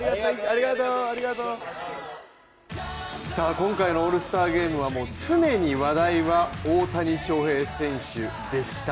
今回のオールスターゲームは常に話題は大谷翔平選手でした。